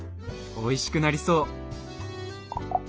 おいしくなりそう。